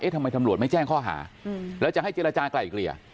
ทำไมตำรวจไม่แจ้งข้อหาแล้วจะให้เจรจากลายเกลี่ย